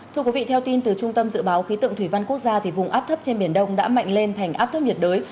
thưa quý vị theo tin từ trung tâm dự báo khí tượng thủy văn quốc gia vùng áp thấp trên biển đông đã mạnh lên thành áp thấp nhiệt đới